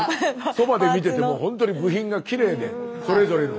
そばで見ててもほんとに部品がきれいでそれぞれの。